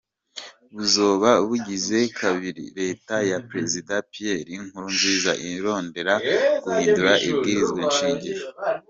Buzoba bugize kabiri leta ya Prezida Pierre Nukurunza irondera guhindura ibwirizwa nshingiro.